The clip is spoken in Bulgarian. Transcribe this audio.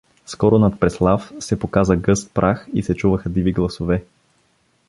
Скоро над Преслав се показа гъст прах и се чуваха диви гласове.